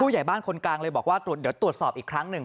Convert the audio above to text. ใหญ่บ้านคนกลางเลยบอกว่าเดี๋ยวตรวจสอบอีกครั้งหนึ่ง